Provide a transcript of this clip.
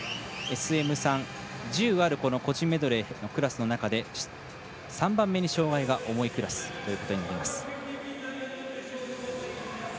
ＳＭ３、１０ある個人メドレーのクラスの中で３番目に障がいが重いクラスということになります。